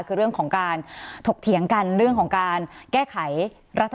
คือเรื่องของการถกเถียงกันเรื่องของการแก้ไขรัฐธรรม